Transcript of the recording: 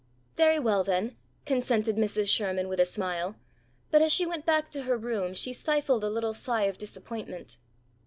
"Very well, then," consented Mrs. Sherman with a smile, but as she went back to her room she stifled a little sigh of disappointment.